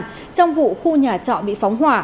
trong vụ khu nhà trọ bị phóng hỏa